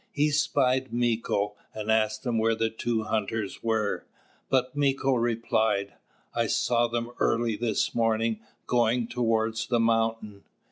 He spied Mīko, and asked him where the two hunters were; but Mīko replied: "I saw them early this morning going towards the mountain."